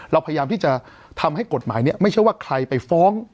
เราพยายามที่จะทำให้กฎหมายนี้ไม่ใช่ว่าใครไปฟ้อง